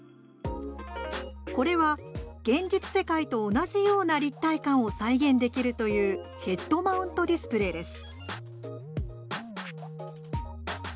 これは現実世界と同じような立体感を再現できるというヘッドマウントディスプレーです。